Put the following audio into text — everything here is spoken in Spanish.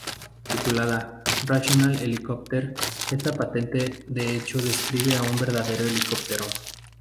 Titulada ""Rational Helicopter"" esta patente de hecho describe a un verdadero helicóptero.